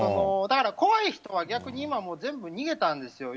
怖い人は逆に今全部、逃げたんです。